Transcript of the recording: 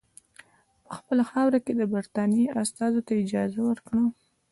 په خپله خاوره کې د برټانیې استازو ته اجازه ورکړي.